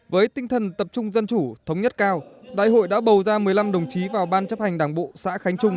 với tinh thần tập trung dân chủ thống nhất cao đại hội đã bầu ra một mươi năm đồng chí vào ban chấp hành đảng bộ xã khánh trung